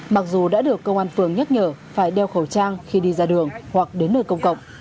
mặc dù đã được công an phường nhắc nhở phải đeo khẩu trang khi đi ra đường hoặc đến nơi công cộng